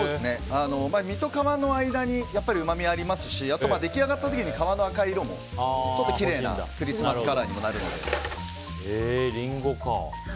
身と皮の間にうまみありますしあとは出来上がった時に皮の赤い色もきれいなクリスマスカラーになるので。